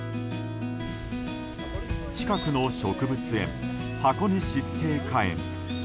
近くの植物園、箱根湿生花園。